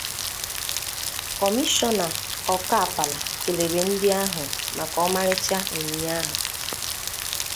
Kọmishọna Ọkapala kèlère ndị ahụ maka ọmarịcha onyinye ahụ.